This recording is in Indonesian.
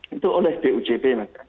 itu oleh dujp